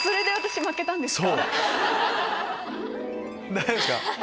大丈夫ですか？